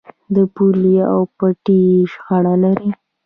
د پولې او پټي شخړه لرئ؟